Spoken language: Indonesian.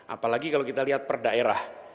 apalagi kalau kita lihat perangkatnya